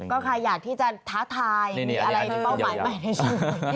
ก็ใครอยากที่จะท้าทายมีอะไรที่เป้าหมายใหม่ในเชิง